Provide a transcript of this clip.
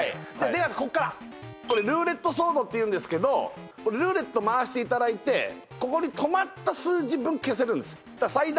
ここからこれルーレットソードっていうんですけどルーレット回していただいてここに止まった数字分消せるんです最大